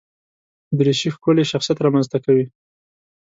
دریشي ښکلی شخصیت رامنځته کوي.